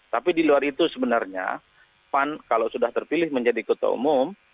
tapi di luar itu sebenarnya pan kalau sudah terpilih menjadi ketua umum